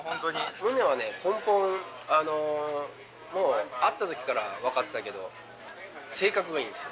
宗はね、根本、もう会ったときから分かってたけど、性格がいいんですよ。